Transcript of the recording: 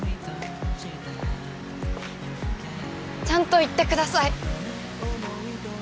ちゃんと言ってください。